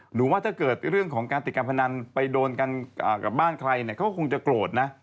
ว่าถ้าเกิดเรื่องของการติดการพนันไปโดนกันกับบ้านใครเนี่ยเขาก็คงจะโกรธนะ